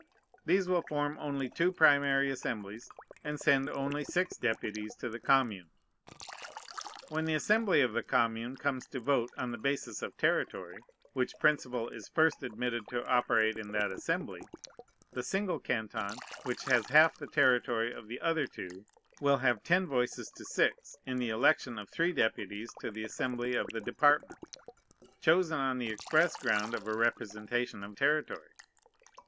These will form only two primary assemblies, and send only six deputies to the commune. When the assembly of the commune comes to vote on the basis of territory, which principle is first admitted to operate in that assembly, the single canton, which has half the territory of the other two, will have ten voices to six in the election of three deputies to the assembly of the department, chosen on the express ground of a representation of territory.